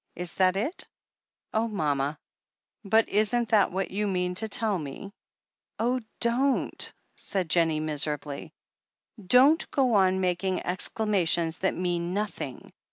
Is that it?" "Oh, mama!" 'But isn't that what you mean to tell me ?" 'Oh, don't!" said Jennie miserably. 'Don't go on making exclamations that mean noth ing.